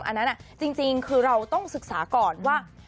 อันนั้นจริงคือเราต้องศึกษาก่อนว่า